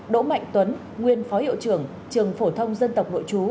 đỗ mạnh tuấn nguyên phó hiệu trưởng trường phổ thông dân tộc nội chú